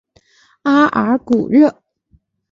阿尔古热。